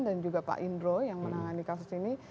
dan juga pak indro yang menangani kasus ini